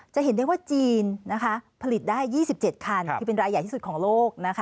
จะเห็นได้ว่าจีนนะคะผลิตได้๒๗คันคือเป็นรายใหญ่ที่สุดของโลกนะคะ